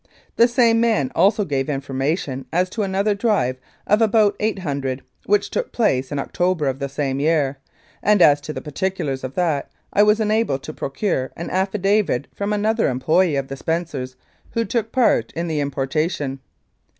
The same man also gave information as to another drive of about eight hundred, which took place in October of the same year, and as to the particulars of that I was enabled to procure an affidavit from another employee of the Spencers who took part in the importa tion.